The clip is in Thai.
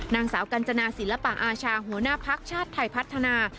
นางสาวกัญจนาศิลปะอาชาหัวหน้าภักดิ์ชาติไทยพัฒนา